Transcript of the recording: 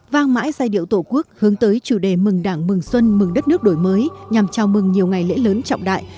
vang mãi giai điệu tổ quốc hướng tới chủ đề mừng đảng mừng xuân mừng đất nước đổi mới nhằm chào mừng nhiều ngày lễ lớn trọng đại